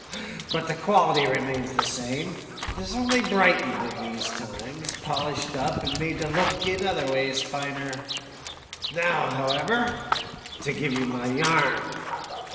But the quality remains the same. It is only brightened in these times, polished up, and made to look in other ways finer. Now, however, to give you my yarn.